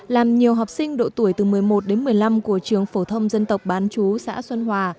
làm nhiều học sinh độ tuổi từ một mươi một đến một mươi năm của trường phổ thông dân tộc bán chú xã xuân hòa